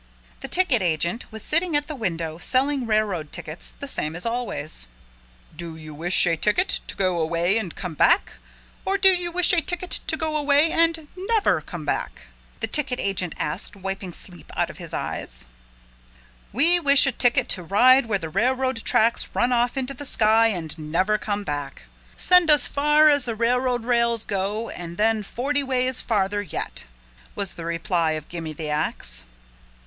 The ticket agent was sitting at the window selling railroad tickets the same as always. [Illustration: He opened the ragbag and took out all the spot cash money] "Do you wish a ticket to go away and come back or do you wish a ticket to go away and never come back?" the ticket agent asked wiping sleep out of his eyes. "We wish a ticket to ride where the railroad tracks run off into the sky and never come back send us far as the railroad rails go and then forty ways farther yet," was the reply of Gimme the Ax.